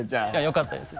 よかったです。